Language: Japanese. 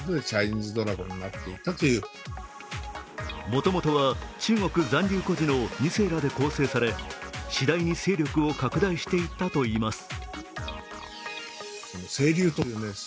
もともとは中国残留孤児の２世らで構成されしだいに勢力を拡大していったといいます。